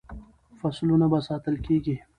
فصلونه به ساتل کیږي.